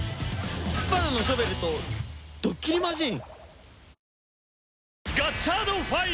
スパナのショベルとドッキリマジーン？